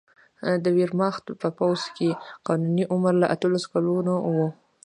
د ویرماخت په پوځ کې قانوني عمر له اتلسو کلونو و